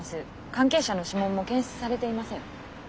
関係者の指紋も検出されていません。